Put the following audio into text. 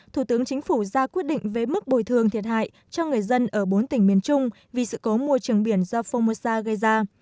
thủ tướng chính phủ ra quyết định về mức bồi thường thiệt hại cho người dân ở bốn tỉnh miền trung vì sự cố môi trường biển do phongmosa gây ra